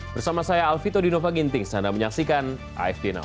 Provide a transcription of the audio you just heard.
bersama saya alvito dinova ginting standar menyaksikan afd now